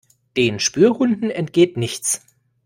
Den Spürhunden entgeht nichts.